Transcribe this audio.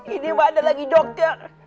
ini mana lagi dokter